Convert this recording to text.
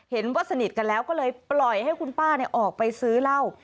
เห็นว่าสนิทกันแล้วก็เลยปล่อยให้คุณป้าออกไปซื้อเหล้า